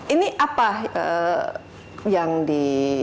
ini apa yang di